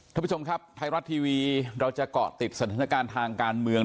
ท่านผู้ชมครับไทยรัฐทีวีเราจะเกาะติดสถานการณ์ทางการเมือง